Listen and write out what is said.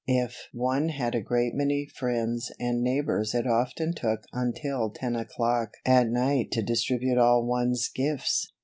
If one had a great many friends and neighbors it often took until ten o'clock at night to distribute all one's gifts.